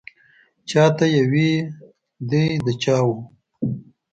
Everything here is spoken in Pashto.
چا ته یې وې دی د چا و.